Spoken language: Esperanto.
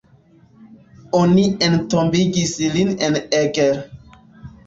Oni entombigis lin en Eger.